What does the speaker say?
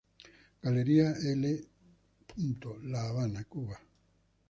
Galería L, La Habana, Cuba.